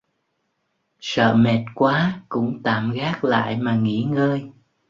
Sợ Mệt quá cũng tạm gác lại mà nghỉ ngơi